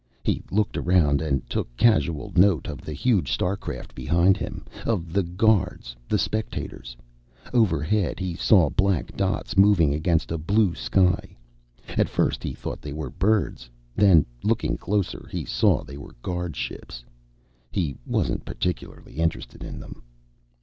He looked around and took casual note of the huge starcraft behind him, of the guards, the spectators. Overhead, he saw black dots moving against a blue sky. At first he thought they were birds. Then, looking closer, he saw they were guardships. He wasn't particularly interested in them.